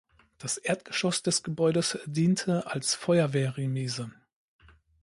Das Erdgeschoss des Gebäudes diente als Feuerwehr-Remise.